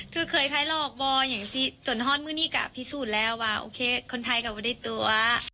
เธอเคยไทยหลอกบอจนฮอดมื้อนี้ก็พิสูจน์แล้วว่าโอเคคนไทยก็ไม่ได้ตัว